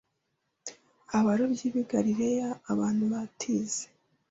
abarobyi b’i Galilaya; abantu batize